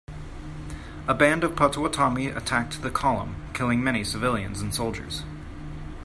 A band of Potawatomi attacked the column, killing many civilians and soldiers.